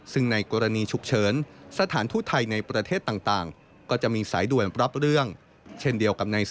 ซึ่งในกรณีฉุกเฉิน